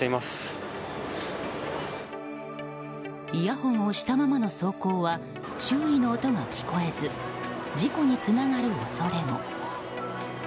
イヤホンをしたままの走行は周囲の音が聞こえず事故につながる恐れも。